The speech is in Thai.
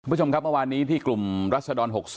คุณผู้ชมครับเมื่อวานนี้ที่กลุ่มรัศดร๖๓